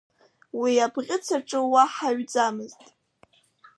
Уи абӷьыц аҿы уаҳа ҩӡамызт.